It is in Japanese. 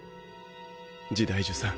時代樹さん。